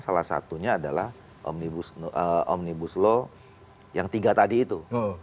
salah satunya adalah omnibus law yang tiga tadi itu